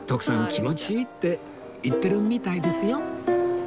「気持ちいい」って言ってるみたいですよ